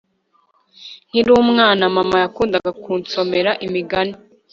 Nkiri umwana mama yakundaga kunsomera imigani